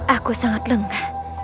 aku sangat lengah